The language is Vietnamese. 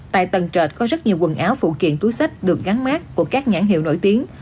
tại tầng trệt có rất nhiều quần áo phụ kiện túi sách được gắn mát của các nhãn hiệu nổi tiếng